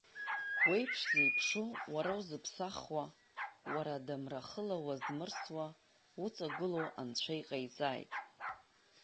Уеиԥш-зеиԥшу, уара узыԥсахуа, уара адамра хыла уазмырсуа уҵагыло Анцәа иҟаиҵааит.